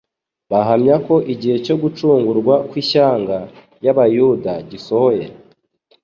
bahamya ko igihe cyo gucungurwa kw'ishyanga ry'abayuda gisohoye.